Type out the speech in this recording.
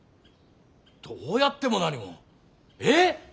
どうやっても何もえっ？